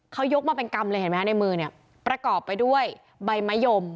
เขายกมาเป็นกรรมเลยเห็นไหมฮะในมือเนี่ยประกอบไปด้วยใบมะยม